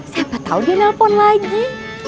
siapa tahu dia nelpon lagi